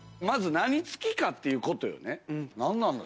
まず何付きかっていうことよね。